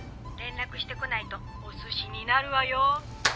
☎連絡してこないとおすしになるわよ。